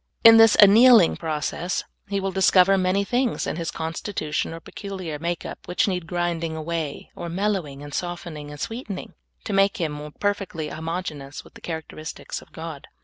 In this an7iealmg process he will discover many things in his constitution or peculiar makeup which need grinding awa}^ or mellowing and softening and sweetening, to make him perfectly homogeneous with the characteristics of God.